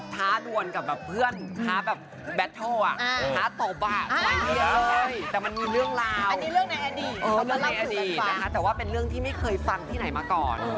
แต่มันมีเรื่องราวนะคะแต่ว่าเป็นเรื่องที่ไม่เคยฟังที่ไหนมาก่อน